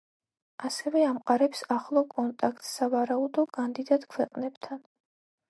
ასევე ამყარებს ახლო კონტაქტს სავარაუდო კანდიდატ ქვეყნებთან.